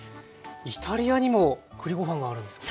イタリアにも栗ご飯があるんですか？